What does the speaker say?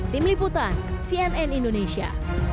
tim liputan cnn indonesia